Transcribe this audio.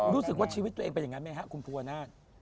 รู้สึกว่าชีวิตตัวเองเป็นอย่างนั้นไหมครับคุณภูวนาศ